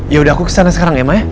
ya udah aku kesana sekarang ya ma ya